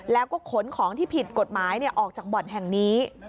แล้วก็ขนของที่ผิดกฎหมายออกจากบ่อนแห่งนี้